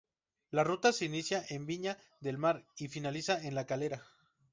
La Ruta se inicia en Viña del Mar y finaliza en La Calera.